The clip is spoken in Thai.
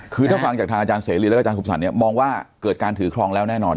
คือถ้าฟังจากทางอาจารย์เสรีและอาจารย์สุขสรรค์เนี่ยมองว่าเกิดการถือครองแล้วแน่นอน